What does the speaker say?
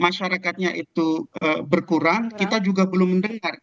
masyarakatnya itu berkurang kita juga belum mendengar